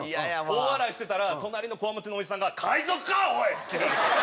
大笑いしてたら隣のこわもてのおじさんが「海賊かおい！」ってキレられて。